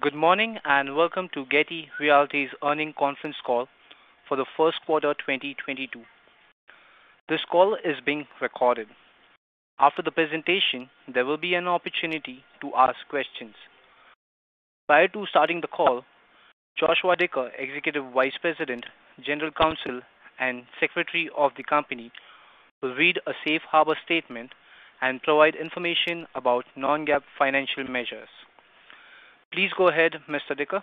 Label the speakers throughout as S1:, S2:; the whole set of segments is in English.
S1: Good morning, and welcome to Getty Realty's earnings conference call for the first quarter 2022. This call is being recorded. After the presentation, there will be an opportunity to ask questions. Prior to starting the call, Joshua Dicker, Executive Vice President, General Counsel, and Secretary of the company, will read a safe harbor statement and provide information about non-GAAP financial measures. Please go ahead, Mr. Dicker.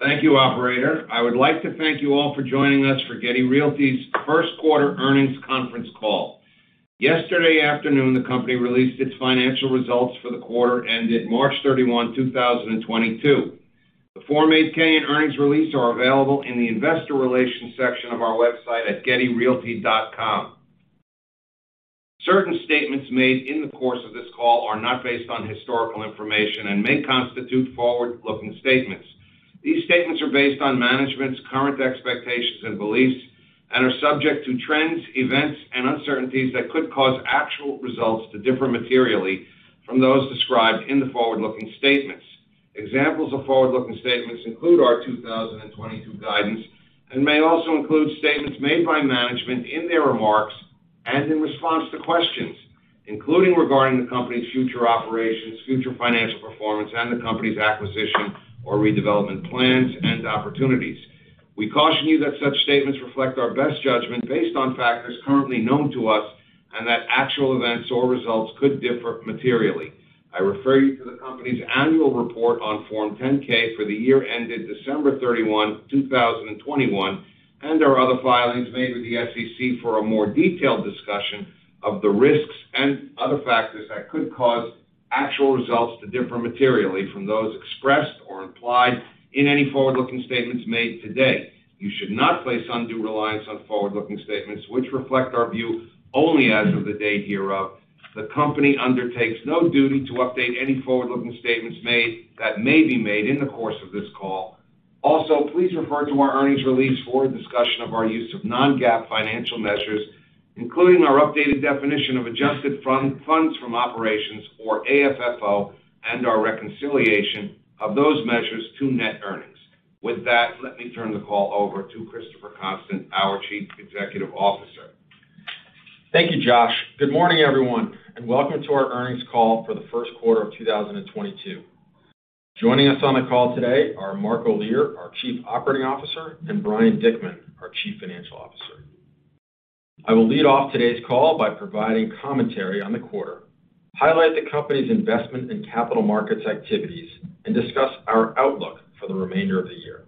S2: Thank you, operator. I would like to thank you all for joining us for Getty Realty's first quarter earnings conference call. Yesterday afternoon, the company released its financial results for the quarter ended March 31, 2022. The Form 8-K and earnings release are available in the investor relations section of our website at gettyrealty.com. Certain statements made in the course of this call are not based on historical information and may constitute forward-looking statements. These statements are based on management's current expectations and beliefs and are subject to trends, events, and uncertainties that could cause actual results to differ materially from those described in the forward-looking statements. Examples of forward-looking statements include our 2022 guidance and may also include statements made by management in their remarks and in response to questions, including regarding the company's future operations, future financial performance, and the company's acquisition or redevelopment plans and opportunities. We caution you that such statements reflect our best judgment based on factors currently known to us, and that actual events or results could differ materially. I refer you to the company's annual report on Form 10-K for the year ended December 31, 2021, and our other filings made with the SEC for a more detailed discussion of the risks and other factors that could cause actual results to differ materially from those expressed or implied in any forward-looking statements made today. You should not place undue reliance on forward-looking statements, which reflect our view only as of the date hereof. The company undertakes no duty to update any forward-looking statements made, that may be made in the course of this call. Please refer to our earnings release for a discussion of our use of non-GAAP financial measures, including our updated definition of adjusted funds from operations, or AFFO, and our reconciliation of those measures to net earnings. With that, let me turn the call over to Christopher Constant, our Chief Executive Officer.
S3: Thank you, Josh. Good morning, everyone, and welcome to our earnings call for the first quarter of 2022. Joining us on the call today are Mark Olear, our Chief Operating Officer, and Brian Dickman, our Chief Financial Officer. I will lead off today's call by providing commentary on the quarter, highlight the company's investment in capital markets activities, and discuss our outlook for the remainder of the year.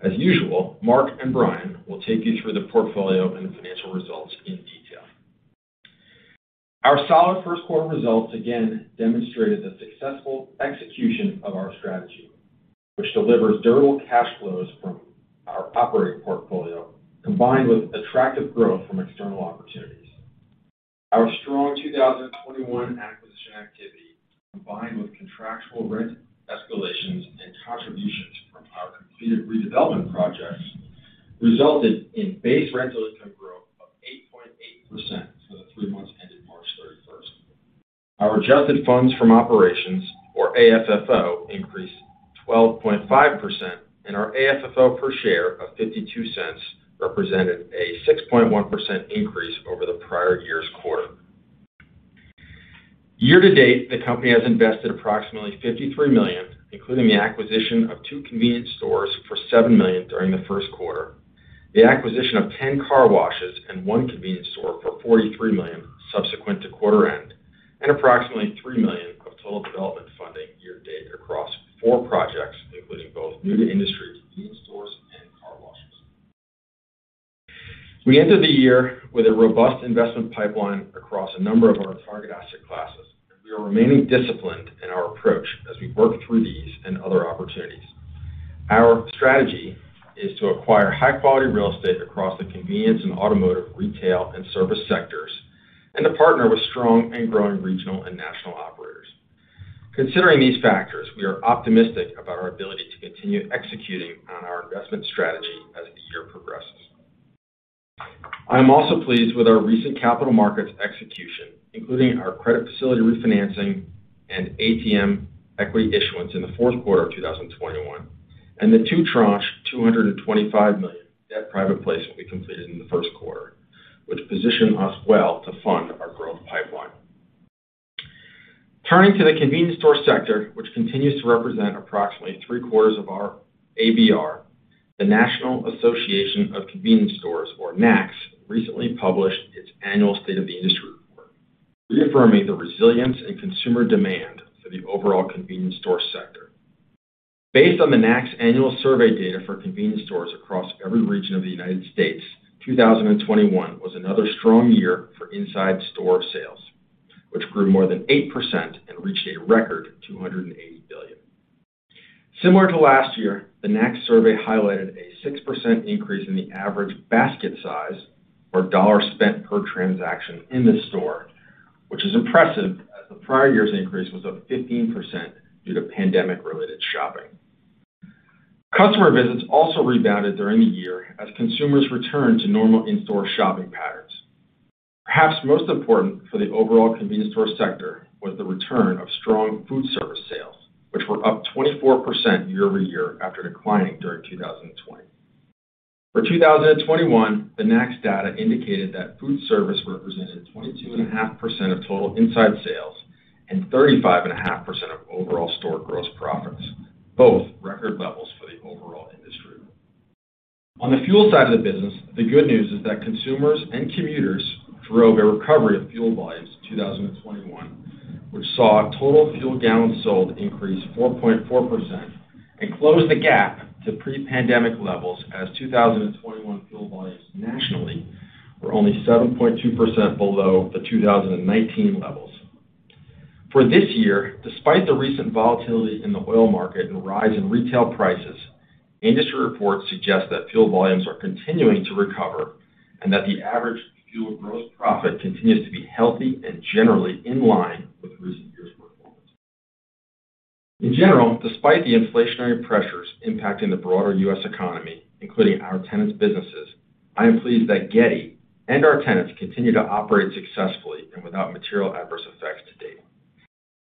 S3: As usual, Mark and Brian will take you through the portfolio and financial results in detail. Our solid first quarter results again demonstrated the successful execution of our strategy, which delivers durable cash flows from our operating portfolio, combined with attractive growth from external opportunities. Our strong 2021 acquisition activity, combined with contractual rent escalations and contributions from our completed redevelopment projects, resulted in base rental income growth of 8.8% for the three months ended March 31. Our adjusted funds from operations, or AFFO, increased 12.5%, and our AFFO per share of $0.52 represented a 6.1% increase over the prior year's quarter. Year to date, the company has invested approximately $53 million, including the acquisition of two convenience stores for $7 million during the first quarter, the acquisition of 10 car washes and one convenience store for $43 million subsequent to quarter end, and approximately $3 million of total development funding year to date across four projects, including both new industry convenience stores and car washes. We enter the year with a robust investment pipeline across a number of our target asset classes. We are remaining disciplined in our approach as we work through these and other opportunities. Our strategy is to acquire high-quality real estate across the convenience and automotive, retail, and service sectors, and to partner with strong and growing regional and national operators. Considering these factors, we are optimistic about our ability to continue executing on our investment strategy as the year progresses. I am also pleased with our recent capital markets execution, including our credit facility refinancing and ATM equity issuance in the fourth quarter of 2021, and the two-tranche $225 million debt private placement we completed in the first quarter, which position us well to fund our growth pipeline. Turning to the convenience store sector, which continues to represent approximately 3/4 of our ABR, the National Association of Convenience Stores, or NACS, recently published its annual State of the Industry report, reaffirming the resilience in consumer demand for the overall convenience store sector. Based on the NACS annual survey data for convenience stores across every region of the United States, 2021 was another strong year for inside store sales, which grew more than 8% and reached a record $280 billion. Similar to last year, the NACS survey highlighted a 6% increase in the average basket size or dollar spent per transaction in the store, which is impressive as the prior year's increase was up 15% due to pandemic-related shopping. Customer visits also rebounded during the year as consumers returned to normal in-store shopping patterns. Perhaps most important for the overall convenience store sector was the return of strong food service sales, which were up 24% year-over-year after declining during 2020. For 2021, the NACS data indicated that food service represented 22.5% of total inside sales and 35.5% of overall store gross profits, both record levels for the overall industry. On the fuel side of the business, the good news is that consumers and commuters drove a recovery of fuel volumes in 2021, which saw total fuel gallons sold increase 4.4% and close the gap to pre-pandemic levels as 2021 fuel volumes nationally were only 7.2% below the 2019 levels. For this year, despite the recent volatility in the oil market and the rise in retail prices, industry reports suggest that fuel volumes are continuing to recover and that the average fuel gross profit continues to be healthy and generally in line with recent years' performance. In general, despite the inflationary pressures impacting the broader U.S. economy, including our tenants' businesses, I am pleased that Getty and our tenants continue to operate successfully and without material adverse effects to date.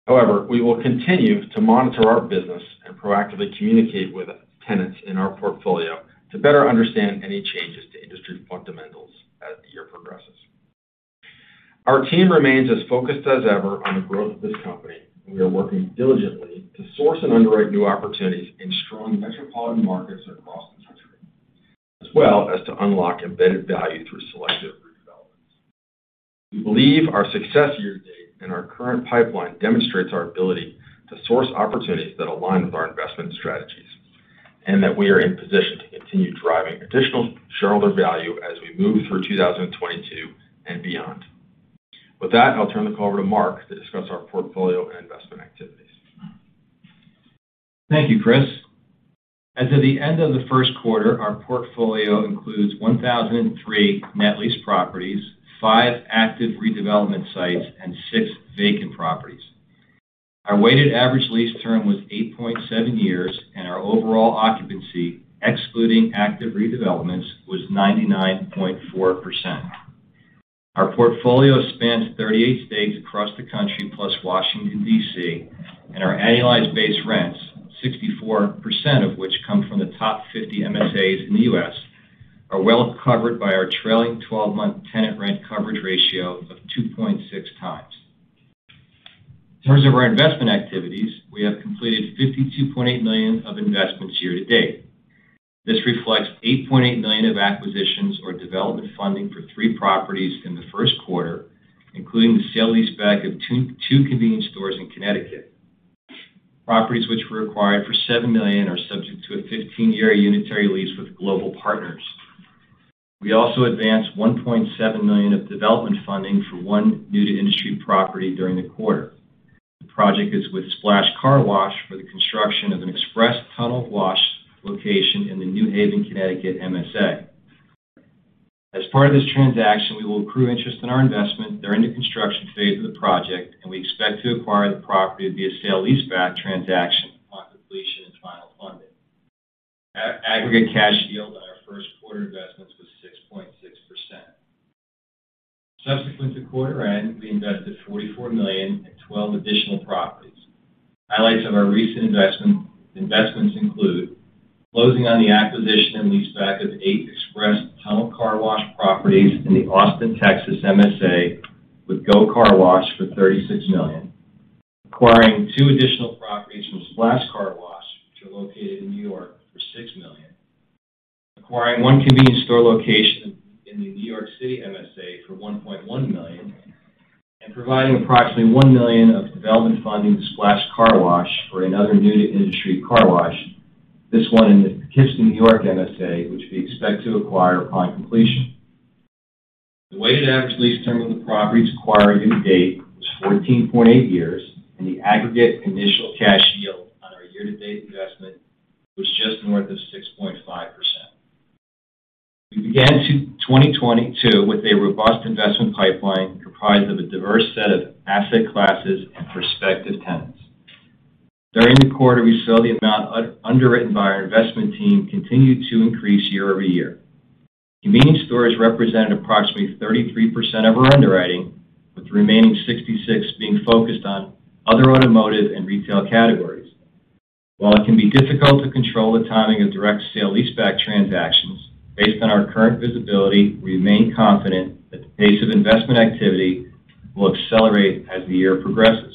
S3: However, we will continue to monitor our business and proactively communicate with tenants in our portfolio to better understand any changes to industry fundamentals as the year progresses. Our team remains as focused as ever on the growth of this company. We are working diligently to source and underwrite new opportunities in strong metropolitan markets across the country, as well as to unlock embedded value through selective redevelopments. We believe our success year to date and our current pipeline demonstrates our ability to source opportunities that align with our investment strategies and that we are in position to continue driving additional shareholder value as we move through 2022 and beyond. With that, I'll turn the call over to Mark to discuss our portfolio and investment activities.
S4: Thank you, Chris. As of the end of the first quarter, our portfolio includes 1,003 net lease properties, five active redevelopment sites, and 6 vacant properties. Our weighted average lease term was 8.7 years, and our overall occupancy, excluding active redevelopments, was 99.4%. Our portfolio spans 38 states across the country, plus Washington, D.C., and our annualized base rents, 64% of which come from the top 50 MSAs in the U.S., are well covered by our trailing twelve-month tenant rent coverage ratio of 2.6x. In terms of our investment activities, we have completed $52.8 million of investments year to date. This reflects $8.8 million of acquisitions or development funding for three properties in the first quarter, including the sale-leaseback of two convenience stores in Connecticut, properties which were acquired for $7 million are subject to a 15-year unitary lease with Global Partners. We also advanced $1.7 million of development funding for one new-to-industry property during the quarter. The project is with Splash Car Wash for the construction of an express tunnel wash location in the New Haven, Connecticut MSA. As part of this transaction, we will accrue interest in our investment during the construction phase of the project, and we expect to acquire the property via sale-leaseback transaction upon completion and final funding. Aggregate cash yield on our first quarter investments was 6.6%. Subsequent to quarter end, we invested $44 million in 12 additional properties. Highlights of our recent investments include closing on the acquisition and leaseback of eight express tunnel car wash properties in the Austin, Texas MSA with GO Car Wash for $36 million, acquiring two additional properties from Splash Car Wash, which are located in New York for $6 million, acquiring one convenience store location in the New York City MSA for $1.1 million, and providing approximately $1 million of development funding to Splash Car Wash for another new to industry car wash, this one in the Poughkeepsie, New York MSA, which we expect to acquire upon completion. The weighted average lease term of the properties acquired year to date was 14.8 years, and the aggregate initial cash yield on our year to date investment was just north of 6.5%. We began 2022 with a robust investment pipeline comprised of a diverse set of asset classes and prospective tenants. During the quarter, we saw the amount underwritten by our investment team continued to increase year-over-year. Convenience stores represented approximately 33% of our underwriting, with the remaining 66 being focused on other automotive and retail categories. While it can be difficult to control the timing of direct sale-leaseback transactions, based on our current visibility, we remain confident that the pace of investment activity will accelerate as the year progresses.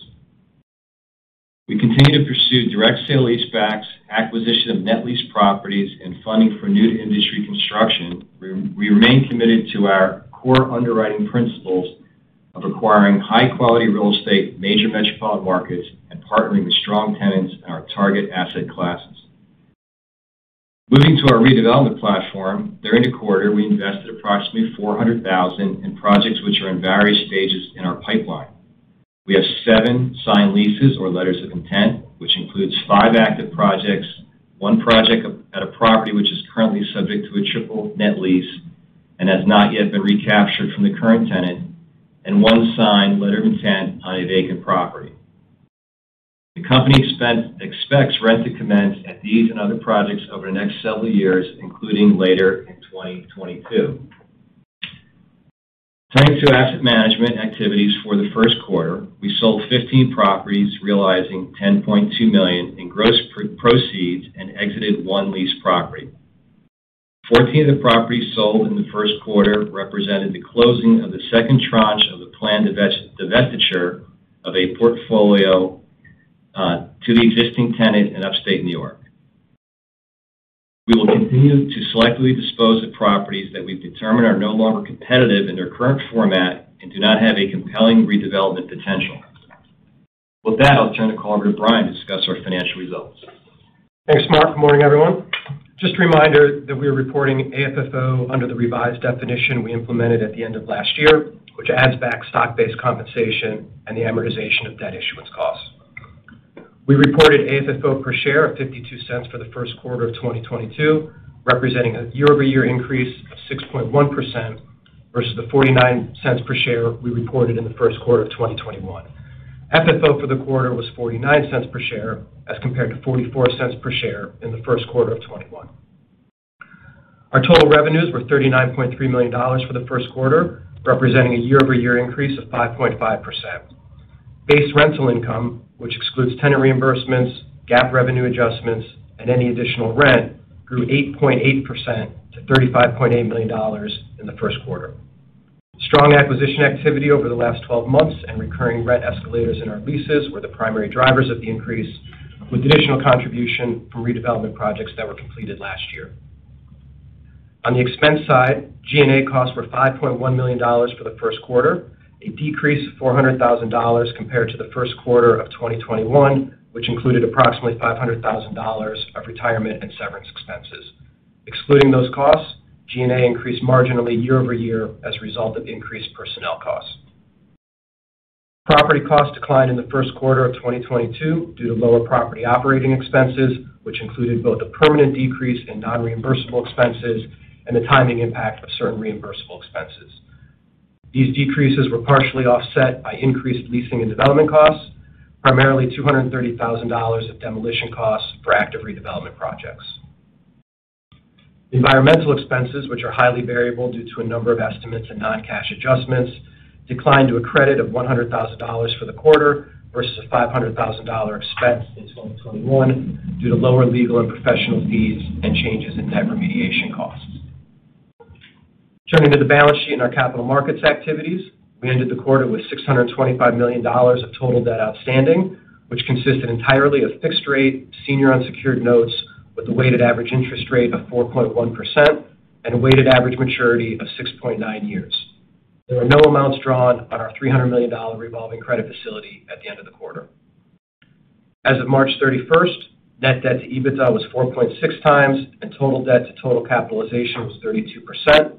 S4: We continue to pursue direct sale-leasebacks, acquisition of net lease properties, and funding for new to industry construction. We remain committed to our core underwriting principles of acquiring high quality real estate, major metropolitan markets, and partnering with strong tenants in our target asset classes. Moving to our redevelopment platform. During the quarter, we invested approximately $400,000 in projects which are in various stages in our pipeline. We have seven signed leases or letters of intent, which includes five active projects, one project at a property which is currently subject to a triple net lease and has not yet been recaptured from the current tenant and one signed letter of intent on a vacant property. The company expects rent to commence at these and other projects over the next several years, including later in 2022. Turning to asset management activities. For the first quarter, we sold 15 properties, realizing $10.2 million in gross proceeds and exited one lease property. 14 of the properties sold in the first quarter represented the closing of the second tranche of the planned divestiture of a portfolio to the existing tenant in Upstate New York. We will continue to selectively dispose of the properties that we've determined are no longer competitive in their current format and do not have a compelling redevelopment potential. With that, I'll turn to Brian Dickman to discuss our financial results.
S5: Thanks, Mark. Good morning, everyone. Just a reminder that we are reporting AFFO under the revised definition we implemented at the end of last year, which adds back stock-based compensation and the amortization of debt issuance costs. We reported AFFO per share of $0.52 for the first quarter of 2022, representing a year-over-year increase of 6.1% versus the $0.49 per share we reported in the first quarter of 2021. FFO for the quarter was $0.49 per share as compared to $0.44 per share in the first quarter of 2021. Our total revenues were $39.3 million for the first quarter, representing a year-over-year increase of 5.5%. Base rental income, which excludes tenant reimbursements, GAAP revenue adjustments, and any additional rent, grew 8.8% to $35.8 million in the first quarter. Strong acquisition activity over the last 12 months and recurring rent escalators in our leases were the primary drivers of the increase, with additional contribution from redevelopment projects that were completed last year. On the expense side, G&A costs were $5.1 million for the first quarter, a decrease of $400,000 compared to the first quarter of 2021, which included approximately $500,000 of retirement and severance expenses. Excluding those costs, G&A increased marginally year-over-year as a result of increased personnel costs. Property costs declined in the first quarter of 2022 due to lower property operating expenses, which included both a permanent decrease in non-reimbursable expenses and the timing impact of certain reimbursable expenses. These decreases were partially offset by increased leasing and development costs, primarily $230,000 of demolition costs for active redevelopment projects. Environmental expenses, which are highly variable due to a number of estimates and non-cash adjustments, declined to a credit of $100,000 for the quarter versus a $500,000 expense in 2021 due to lower legal and professional fees and changes in debt remediation costs. Turning to the balance sheet and our capital markets activities. We ended the quarter with $625 million of total debt outstanding, which consisted entirely of fixed rate senior unsecured notes with a weighted average interest rate of 4.1% and a weighted average maturity of 6.9 years. There were no amounts drawn on our $300 million revolving credit facility at the end of the quarter. As of March 31, net debt to EBITDA was 4.6x, and total debt to total capitalization was 32%,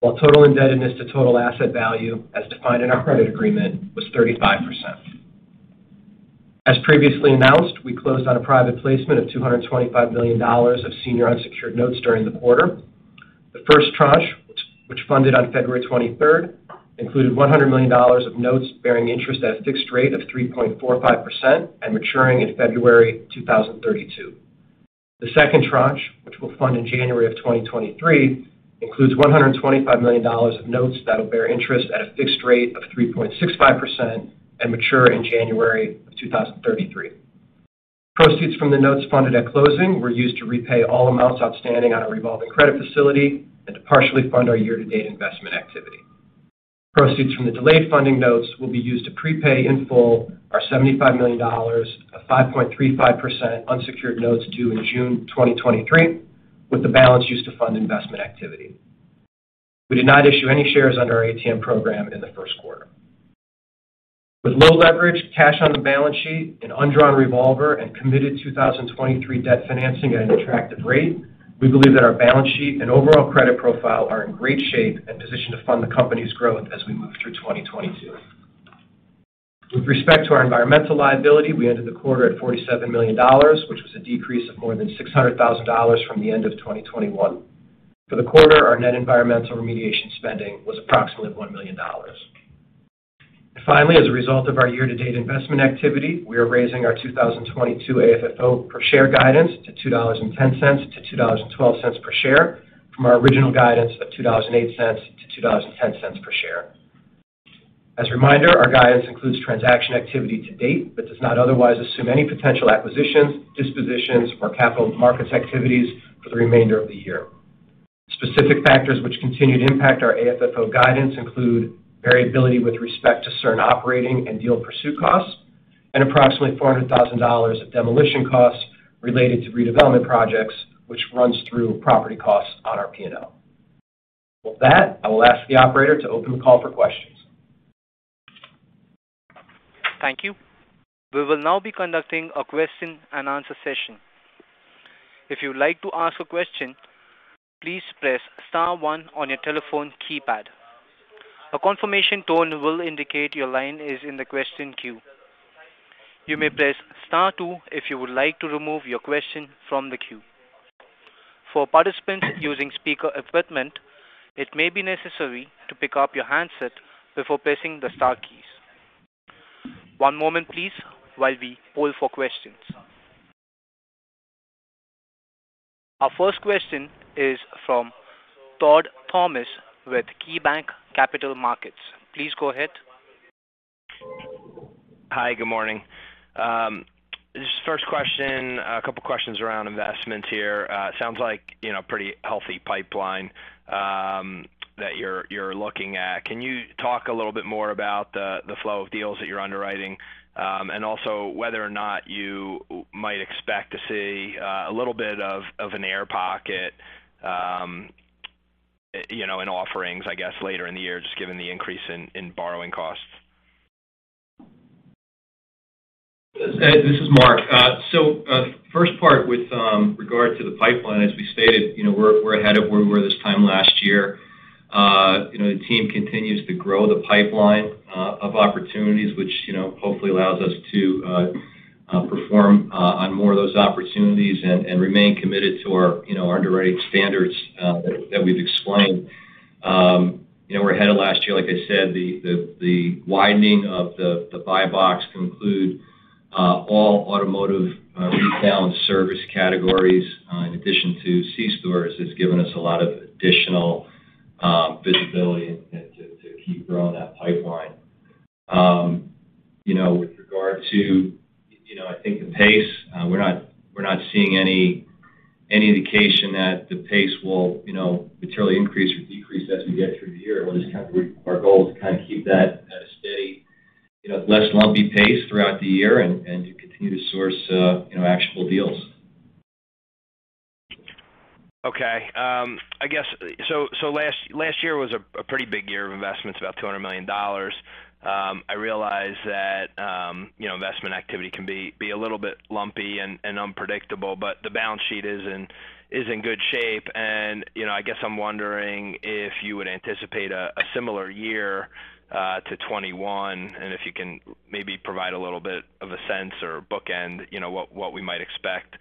S5: while total indebtedness to total asset value, as defined in our credit agreement, was 35%. As previously announced, we closed on a private placement of $225 million of senior unsecured notes during the quarter. The first tranche, which funded on February 23, included $100 million of notes bearing interest at a fixed rate of 3.45% and maturing in February 2032. The second tranche, which will fund in January 2023, includes $125 million of notes that will bear interest at a fixed rate of 3.65% and mature in January 2033. Proceeds from the notes funded at closing were used to repay all amounts outstanding on our revolving credit facility and to partially fund our year-to-date investment activity. Proceeds from the delayed funding notes will be used to prepay in full our $75 million of 5.35% unsecured notes due in June 2023, with the balance used to fund investment activity. We did not issue any shares under our ATM program in the first quarter. With low leverage, cash on the balance sheet, an undrawn revolver, and committed 2023 debt financing at an attractive rate, we believe that our balance sheet and overall credit profile are in great shape and positioned to fund the company's growth as we move through 2022. With respect to our environmental liability, we ended the quarter at $47 million, which was a decrease of more than $600,000 from the end of 2021. For the quarter, our net environmental remediation spending was approximately $1 million. Finally, as a result of our year-to-date investment activity, we are raising our 2022 AFFO per share guidance to $2.10-$2.12 per share from our original guidance of $2.08-$2.10 per share. As a reminder, our guidance includes transaction activity to date but does not otherwise assume any potential acquisitions, dispositions, or capital markets activities for the remainder of the year. Specific factors which continue to impact our AFFO guidance include variability with respect to certain operating and deal pursuit costs and approximately $400,000 of demolition costs related to redevelopment projects, which runs through property costs on our P&L. With that, I will ask the operator to open the call for questions.
S1: Thank you. We will now be conducting a question-and-answer session. If you would like to ask a question, please press star one on your telephone keypad. A confirmation tone will indicate your line is in the question queue. You may press star two if you would like to remove your question from the queue. For participants using speaker equipment, it may be necessary to pick up your handset before pressing the star keys. One moment please while we poll for questions. Our first question is from Todd Thomas with KeyBanc Capital Markets. Please go ahead.
S6: Hi. Good morning. Just first question, a couple questions around investments here. Sounds like, you know, pretty healthy pipeline that you're looking at. Can you talk a little bit more about the flow of deals that you're underwriting, and also whether or not you might expect to see a little bit of an air pocket, you know, in offerings, I guess, later in the year, just given the increase in borrowing costs.
S4: This is Mark. First part with regard to the pipeline, as we stated, you know, we're ahead of where we were this time last year. You know, the team continues to grow the pipeline of opportunities, which, you know, hopefully allows us to perform on more of those opportunities and remain committed to our, you know, our underwriting standards that we've explained. You know, we're ahead of last year, like I said. The widening of the buy box to include all automotive retail and service categories in addition to C stores has given us a lot of additional visibility and to keep growing that pipeline. You know, with regard to, you know, I think the pace, we're not seeing any indication that the pace will, you know, materially increase or decrease as we get through the year. We'll just kind of. Our goal is to kind of keep that at a steady, you know, less lumpy pace throughout the year and to continue to source, you know, actionable deals.
S6: Okay. I guess last year was a pretty big year of investments, about $200 million. I realize that you know, investment activity can be a little bit lumpy and unpredictable, but the balance sheet is in good shape. You know, I guess I'm wondering if you would anticipate a similar year to 2021, and if you can maybe provide a little bit of a sense or bookend, you know, what we might expect.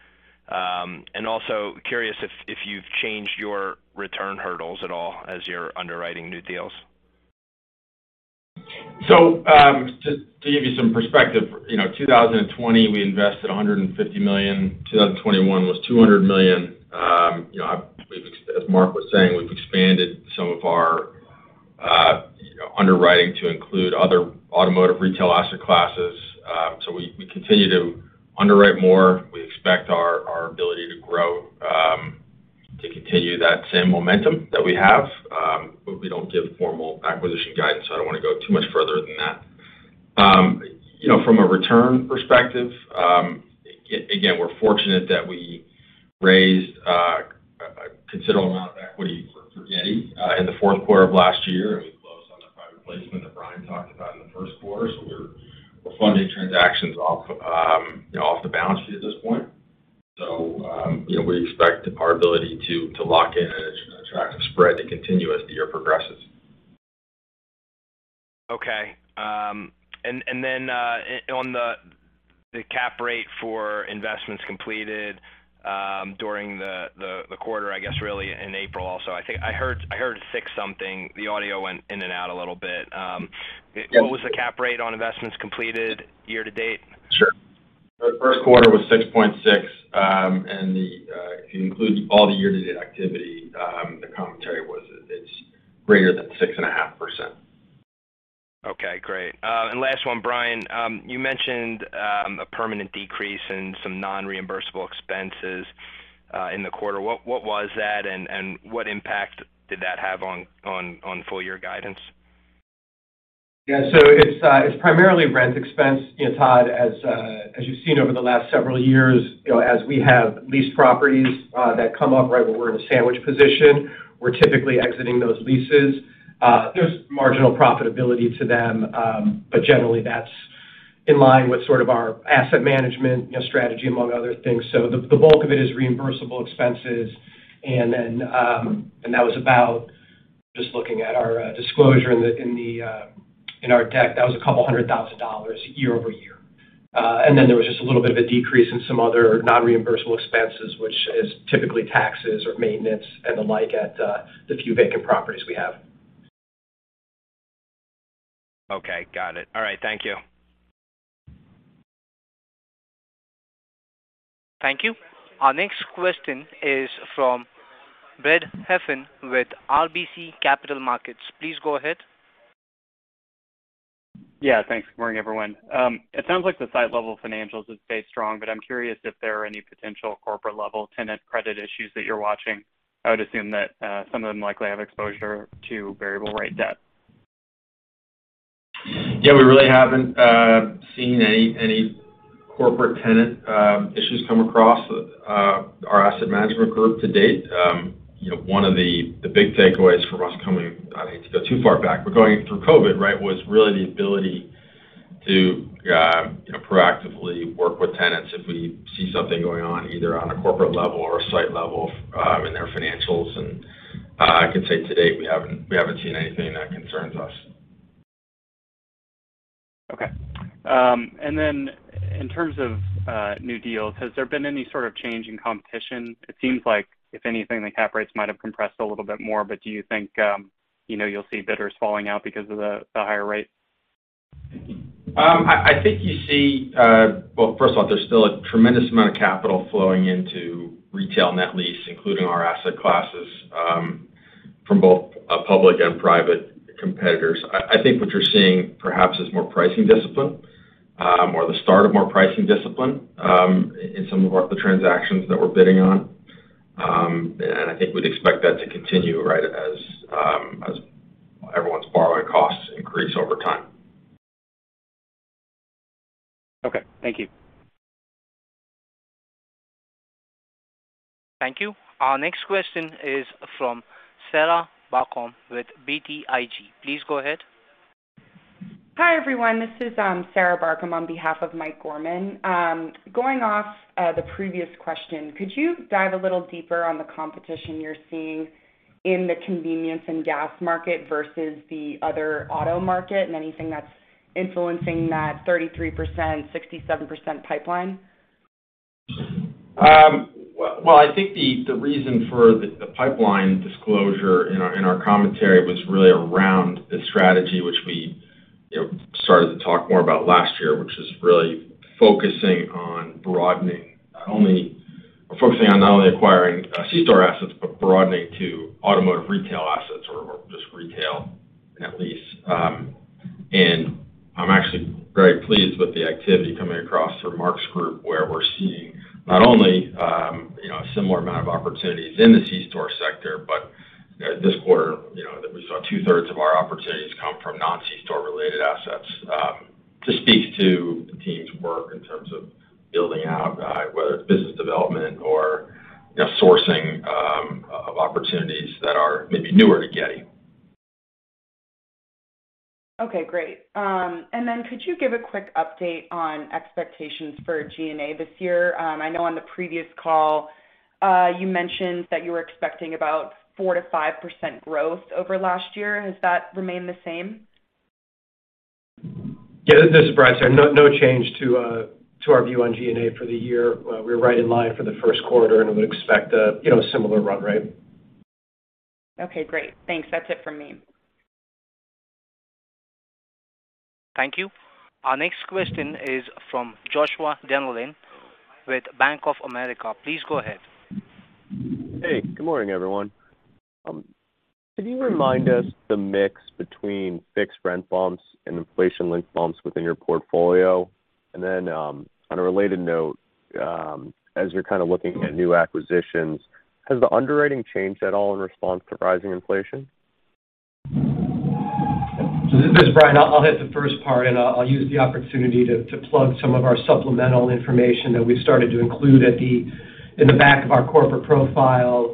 S6: Also curious if you've changed your return hurdles at all as you're underwriting new deals.
S3: To give you some perspective, you know, 2020 we invested $150 million. 2021 was $200 million. You know, as Mark was saying, we've expanded some of our, you know, underwriting to include other automotive retail asset classes. We continue to underwrite more. We expect our ability to grow to continue that same momentum that we have. We don't give formal acquisition guidance, so I don't wanna go too much further than that. You know, from a return perspective, again, we're fortunate that we raised a considerable amount of equity for Getty in the fourth quarter of last year, and we closed on the private placement that Brian talked about in the first quarter. We're funding transactions off the balance sheet at this point. You know, we expect our ability to lock in an attractive spread to continue as the year progresses.
S6: Okay. On the cap rate for investments completed during the quarter, I guess really in April also. I think I heard six something. The audio went in and out a little bit.
S3: Yeah.
S6: What was the cap rate on investments completed year to date?
S3: Sure. The first quarter was 6.6%. It includes all the year to date activity. The commentary was that it's greater than 6.5%.
S6: Okay, great. Last one, Brian. You mentioned a permanent decrease in some non-reimbursable expenses in the quarter. What was that, and what impact did that have on full year guidance?
S5: Yeah. It's primarily rent expense. You know, Todd, as you've seen over the last several years, you know, as we have leased properties that come up right where we're in a sandwich position, we're typically exiting those leases. There's marginal profitability to them. But generally, that's in line with sort of our asset management, you know, strategy among other things. The bulk of it is reimbursable expenses. Then, that was about $200,000 year-over-year. Just looking at our disclosure in our deck, that was $200,000 year-over-year. And then there was just a little bit of a decrease in some other non-reimbursable expenses, which is typically taxes or maintenance and the like at the few vacant properties we have.
S6: Okay. Got it. All right. Thank you.
S1: Thank you. Our next question is from Brad Heffern with RBC Capital Markets. Please go ahead.
S7: Yeah. Thanks. Good morning, everyone. It sounds like the site level financials have stayed strong, but I'm curious if there are any potential corporate level tenant credit issues that you're watching. I would assume that some of them likely have exposure to variable rate debt.
S3: Yeah. We really haven't seen any corporate tenant issues come across our asset management group to date. You know, one of the big takeaways from us coming, I don't need to go too far back, but going through COVID, right, was really the ability to you know, proactively work with tenants if we see something going on, either on a corporate level or a site level, in their financials. I can say to date, we haven't seen anything that concerns us.
S7: Okay. In terms of new deals, has there been any sort of change in competition? It seems like if anything, the cap rates might have compressed a little bit more, but do you think, you know, you'll see bidders falling out because of the higher rate?
S3: I think you see. Well, first of all, there's still a tremendous amount of capital flowing into retail net lease, including our asset classes, from both public and private competitors. I think what you're seeing perhaps is more pricing discipline, or the start of more pricing discipline, in the transactions that we're bidding on. I think we'd expect that to continue, right, as everyone's borrowing costs increase over time.
S7: Okay. Thank you.
S1: Thank you. Our next question is from Sarah Barcomb with BTIG. Please go ahead.
S8: Hi, everyone. This is Sarah Barcomb on behalf of Michael Gorman. Going off the previous question, could you dive a little deeper on the competition you're seeing in the convenience and gas market versus the other auto market and anything that's influencing that 33%, 67% pipeline?
S3: Well, I think the reason for the pipeline disclosure in our commentary was really around the strategy which we, you know, started to talk more about last year, which is really focusing on broadening not only, or focusing on not only acquiring C-store assets, but broadening to automotive retail assets or just retail net lease. I'm actually very pleased with the activity coming across from Mark's group, where we're seeing not only, you know, a similar amount of opportunities in the C-store sector, but this quarter, you know, that we saw 2/3 of our opportunities come from non-C-store related assets, just speaks to the team's work in terms of building out whether it's business development or, you know, sourcing of opportunities that are maybe newer to Getty.
S8: Okay, great. Could you give a quick update on expectations for G&A this year? I know on the previous call, you mentioned that you were expecting about 4%-5% growth over last year. Has that remained the same?
S5: Yeah. This is Brian Dickman. No, no change to our view on G&A for the year. We're right in line for the first quarter, and we would expect a, you know, similar run rate.
S8: Okay, great. Thanks. That's it for me.
S1: Thank you. Our next question is from Joshua Dennerlein with Bank of America. Please go ahead.
S9: Hey, good morning, everyone. Could you remind us the mix between fixed rent bumps and inflation-linked bumps within your portfolio? On a related note, as you're kind of looking at new acquisitions, has the underwriting changed at all in response to rising inflation?
S5: This is Brian. I'll hit the first part, and I'll use the opportunity to plug some of our supplemental information that we started to include in the back of our corporate profile.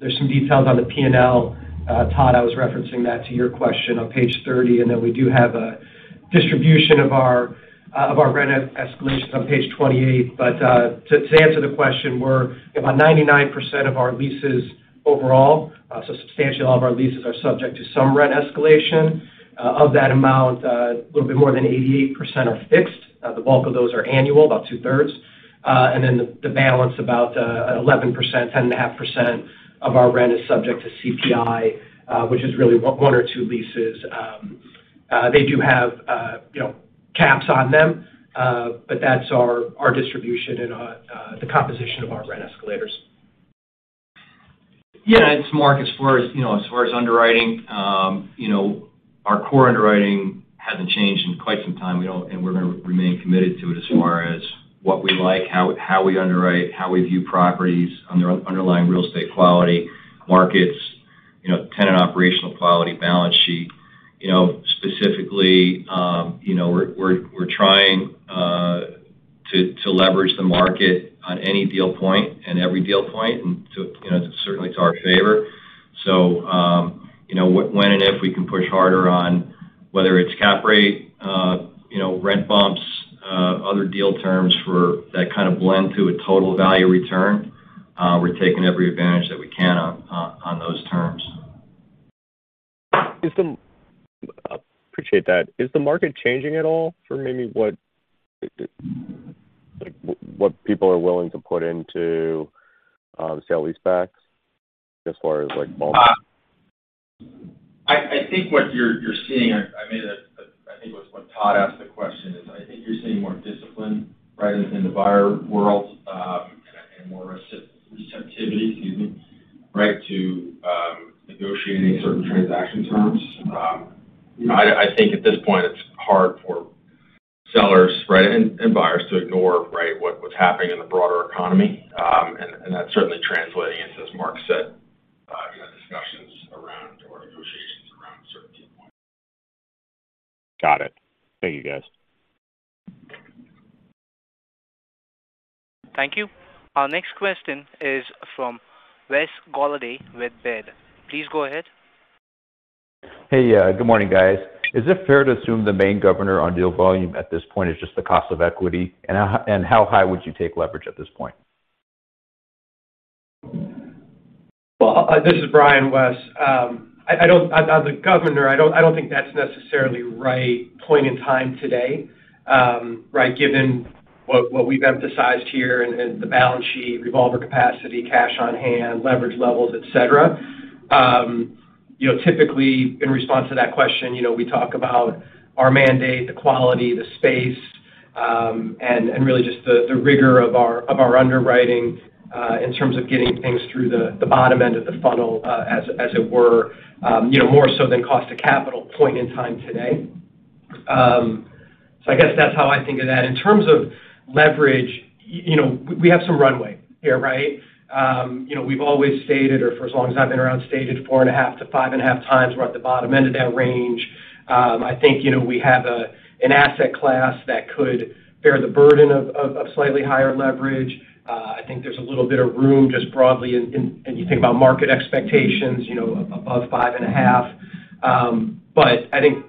S5: There's some details on the P&L. Todd, I was referencing that to your question on page 30, and then we do have a distribution of our rent escalations on page 28. To answer the question, we're about 99% of our leases overall, so substantially all of our leases are subject to some rent escalation. Of that amount, a little bit more than 88% are fixed. The bulk of those are annual, about 2/3. The balance about 11%, 10.5% of our rent is subject to CPI, which is really one or two leases. They do have, you know, caps on them. That's our distribution and the composition of our rent escalators.
S4: Yeah. It's Mark. As far as, you know, as far as underwriting, you know, our core underwriting hasn't changed in quite some time. We're gonna remain committed to it as far as what we like, how we underwrite, how we view properties on their underlying real estate quality markets, you know, tenant operational quality balance sheet. You know, specifically, you know, we're trying to leverage the market on any deal point and every deal point and to, you know, certainly to our favor. You know, when and if we can push harder on whether it's cap rate, you know, rent bumps, other deal terms that kind of blend to a total value return. We're taking every advantage that we can on those terms.
S9: Appreciate that. Is the market changing at all for maybe what, like, what people are willing to put into sale-leasebacks as far as, like, bumps?
S3: I think it was when Todd asked the question. I think you're seeing more discipline, right, within the buyer world, and more receptivity, excuse me, right, to negotiating certain transaction terms. I think at this point, it's hard for sellers, right, and buyers to ignore, right, what's happening in the broader economy. That's certainly translating into, as Mark said, you know, discussions around or negotiations around certain deal points.
S9: Got it. Thank you, guys.
S1: Thank you. Our next question is from Wes Golladay with Baird. Please go ahead.
S10: Hey. Yeah. Good morning, guys. Is it fair to assume the main governor on deal volume at this point is just the cost of equity? How high would you take leverage at this point?
S5: Well, this is Brian Dickman. I don't think that's necessarily right point in time today, right? Given what we've emphasized here and the balance sheet, revolver capacity, cash on hand, leverage levels, et cetera. You know, typically, in response to that question, you know, we talk about our mandate, the quality, the space, and really just the rigor of our underwriting in terms of getting things through the bottom end of the funnel, as it were, you know, more so than cost of capital point in time today. I guess that's how I think of that. In terms of leverage, you know, we have some runway here, right? You know, we've always stated, or for as long as I've been around, stated 4.5x-5.5x, we're at the bottom end of that range. I think, you know, we have an asset class that could bear the burden of slightly higher leverage. I think there's a little bit of room just broadly and you think about market expectations, you know, above 5.5. I think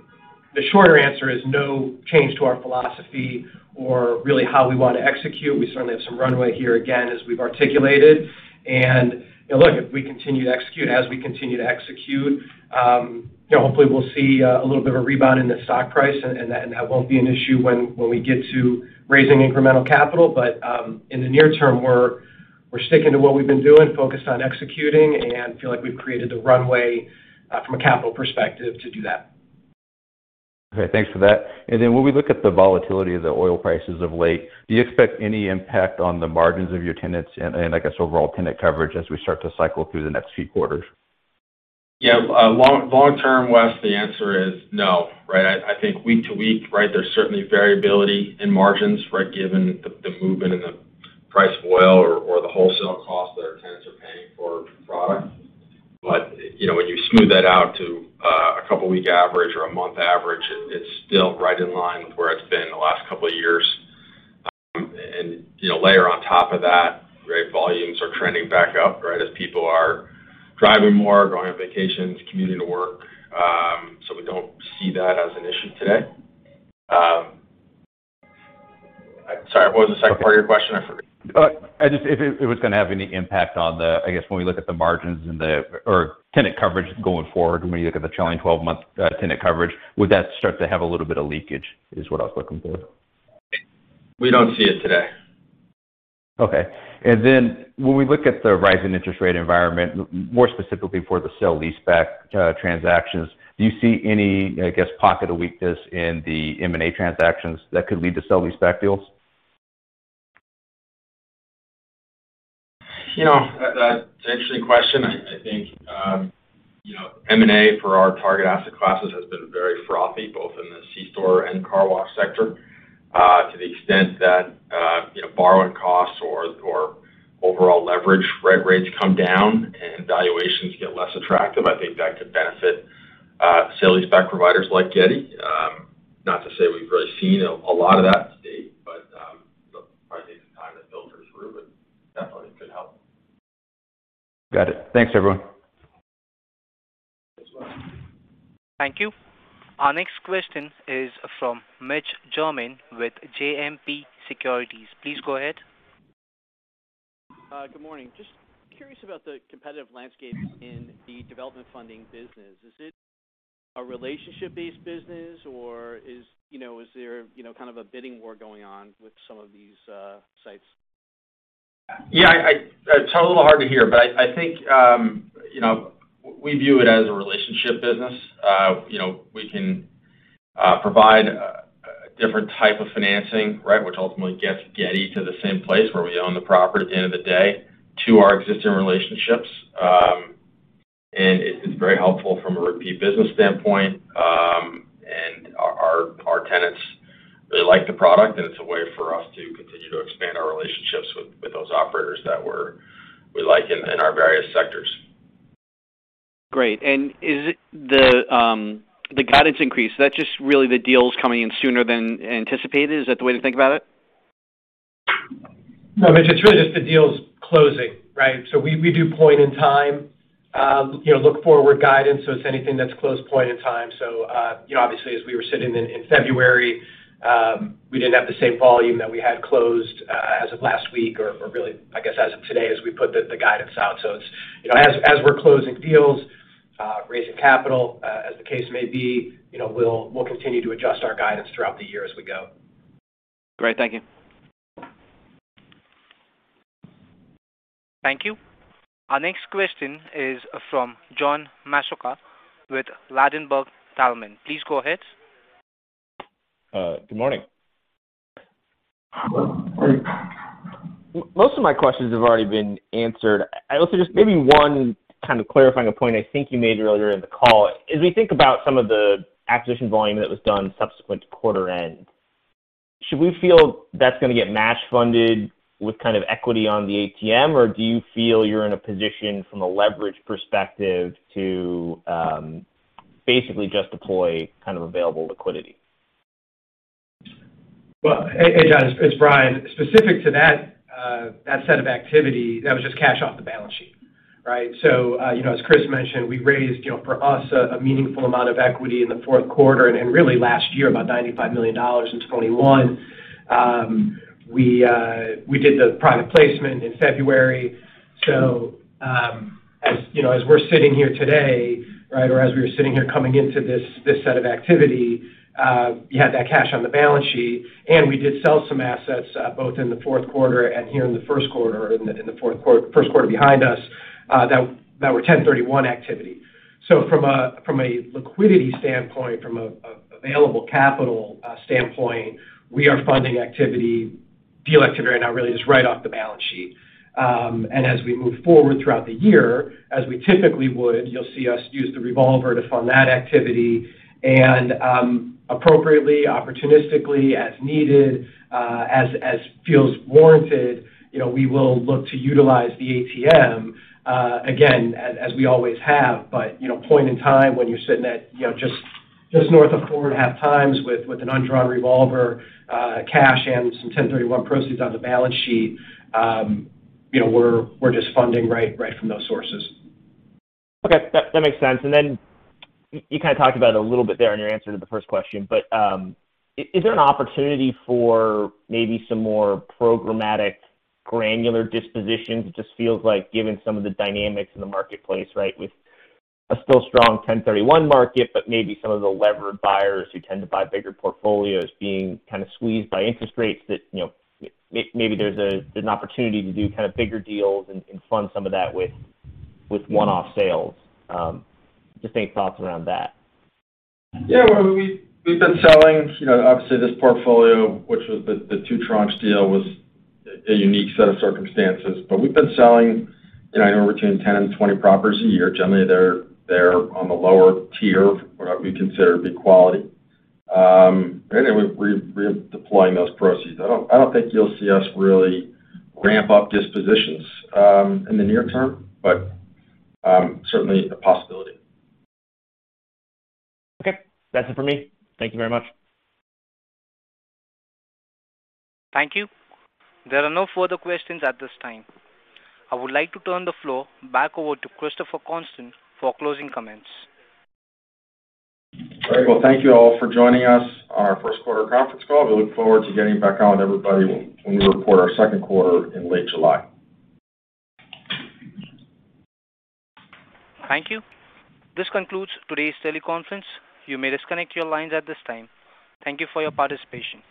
S5: the shorter answer is no change to our philosophy or really how we wanna execute. We certainly have some runway here, again, as we've articulated. You know, look, if we continue to execute, you know, hopefully we'll see a little bit of a rebound in the stock price and that won't be an issue when we get to raising incremental capital. In the near term, we're sticking to what we've been doing, focused on executing, and feel like we've created the runway from a capital perspective to do that.
S10: Okay. Thanks for that. When we look at the volatility of the oil prices of late, do you expect any impact on the margins of your tenants and I guess, overall tenant coverage as we start to cycle through the next few quarters?
S5: Yeah. Long term, Wes, the answer is no, right? I think week to week, right, there's certainly variability in margins, right, given the movement in the price of oil or the wholesale cost that our tenants are paying for product. You know, when you smooth that out to a couple week average or a month average, it's still right in line with where it's been the last couple of years. You know, layer on top of that, right, volumes are trending back up, right, as people are driving more, going on vacations, commuting to work. We don't see that as an issue today. Sorry, what was the second part of your question? I forget.
S10: If it was gonna have any impact on the, I guess, when we look at the margins and the or tenant coverage going forward, when you look at the trailing 12-month tenant coverage, would that start to have a little bit of leakage, is what I was looking for.
S5: We don't see it today.
S10: Okay. When we look at the rising interest rate environment, more specifically for the sale-leaseback transactions, do you see any, I guess, pocket of weakness in the M&A transactions that could lead to sale-leaseback deals?
S5: You know, that's an interesting question. I think, you know, M&A for our target asset classes has been very frothy, both in the C store and car wash sector. To the extent that, you know, borrowing costs or overall leverage rates come down and valuations get less attractive, I think that could benefit, sale-leaseback providers like Getty. Not to say we've really seen a lot of that to date, but, you know, probably take some time to filter through, but definitely could help.
S10: Got it. Thanks, everyone.
S5: Thanks, Wes.
S1: Thank you. Our next question is from Mitch Germain with JMP Securities. Please go ahead.
S11: Good morning. Just curious about the competitive landscape in the development funding business. Is it a relationship-based business or, you know, is there, you know, kind of a bidding war going on with some of these sites?
S5: Yeah. So a little hard to hear, but I think, you know, we view it as a relationship business. You know, we can provide a different type of financing, right, which ultimately gets Getty to the same place where we own the property at the end of the day to our existing relationships. It is very helpful from a repeat business standpoint. Our tenants really like the product, and it's a way for us to continue to expand our relationships with those operators that we like in our various sectors.
S11: Great. Is it the guidance increase, is that just really the deals coming in sooner than anticipated? Is that the way to think about it?
S5: No, Mitch. It's really just the deals closing, right? We do point in time, you know, look forward guidance, so it's anything that's closed point in time. You know, obviously as we were sitting in February, we didn't have the same volume that we had closed, as of last week or really, I guess, as of today as we put the guidance out. It's, you know, as we're closing deals, raising capital, as the case may be, you know, we'll continue to adjust our guidance throughout the year as we go.
S11: Great. Thank you.
S1: Thank you. Our next question is from John Massocca with Ladenburg Thalmann. Please go ahead.
S12: Good morning. Most of my questions have already been answered. I also just maybe one kind of clarifying a point I think you made earlier in the call. As we think about some of the acquisition volume that was done subsequent to quarter end, should we feel that's gonna get match funded with kind of equity on the ATM? Or do you feel you're in a position from a leverage perspective to basically just deploy kind of available liquidity?
S5: Hey, John, it's Brian. Specific to that set of activity, that was just cash off the balance sheet, right? As Chris mentioned, we raised, you know, for us, a meaningful amount of equity in the fourth quarter and really last year, about $95 million in 2021. We did the private placement in February. As you know, as we're sitting here today, right, or as we were sitting here coming into this set of activity, you had that cash on the balance sheet, and we did sell some assets both in the fourth quarter and here in the first quarter, in the fourth quarter first quarter behind us, that were 1031 activity. From a liquidity standpoint, from a available capital standpoint, we are funding activity. Deal activity right now really is right off the balance sheet. As we move forward throughout the year, as we typically would, you'll see us use the revolver to fund that activity and, appropriately, opportunistically, as needed, as feels warranted, you know, we will look to utilize the ATM, again, as we always have. Point in time, when you're sitting at, you know, just north of 4.5x with an undrawn revolver, cash and some 1031 proceeds on the balance sheet, you know, we're just funding right from those sources.
S12: Okay. That makes sense. Then you kinda talked about it a little bit there in your answer to the first question, but is there an opportunity for maybe some more programmatic granular dispositions? It just feels like given some of the dynamics in the marketplace, right, with a still strong 1031 market, but maybe some of the levered buyers who tend to buy bigger portfolios being kind of squeezed by interest rates that, you know, maybe there's an opportunity to do kind of bigger deals and fund some of that with one-off sales. Just any thoughts around that?
S5: Yeah. Well, we've been selling, you know, obviously this portfolio, which was the two tranches deal was a unique set of circumstances. We've been selling, you know, anywhere between 10 and 20 properties a year. Generally, they're on the lower tier or what we consider B quality. We're deploying those proceeds. I don't think you'll see us really ramp up dispositions in the near term, but certainly a possibility.
S12: Okay. That's it for me. Thank you very much.
S1: Thank you. There are no further questions at this time. I would like to turn the floor back over to Christopher Constant for closing comments.
S5: All right. Well, thank you all for joining us on our first quarter conference call. We look forward to getting back on with everybody when we report our second quarter in late July.
S1: Thank you. This concludes today's teleconference. You may disconnect your lines at this time. Thank you for your participation.